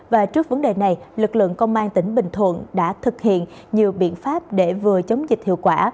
và trước vấn đề này lực lượng công an tỉnh bình thuận đã thực hiện nhiều biện pháp để vừa chống dịch hiệu quả